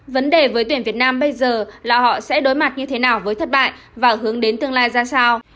vấn đề với tuyển việt nam bây giờ là họ sẽ đối mặt như thế nào với thất bại và hướng đến tương lai ra sao